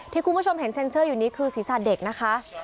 ที่คุณผู้ชมเห็นเซ็นเซอร์อยู่นี้คือศีรษะเด็กนะคะ